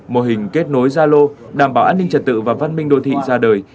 mô hình kết nối gia lô đảm bảo an ninh trật tự và văn minh đô thị ra đời